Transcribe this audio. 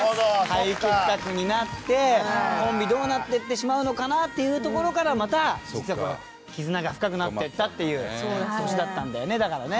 肺結核になってコンビどうなっていってしまうのかなというところからまた実はこれ絆が深くなっていったという年だったんだよねだからね。